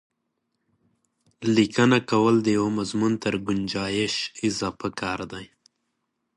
لیکنه کول د یوه مضمون تر ګنجایش اضافه کار دی.